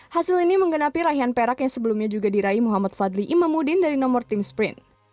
hasil ini menggenapi raihan perak yang sebelumnya juga diraih muhammad fadli imamudin dari nomor tim sprint